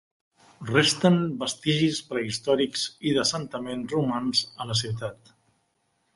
Resten vestigis prehistòrics i d'assentaments romans a la ciutat.